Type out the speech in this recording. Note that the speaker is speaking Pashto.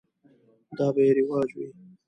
دا به یې رواج وي.